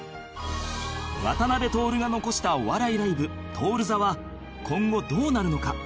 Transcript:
渡辺徹が残したお笑いライブ徹座は今後どうなるのか？